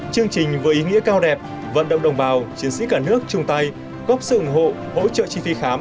chương trình với ý nghĩa cao đẹp vận động đồng bào chiến sĩ cả nước chung tay góp sự ủng hộ hỗ trợ chi phí khám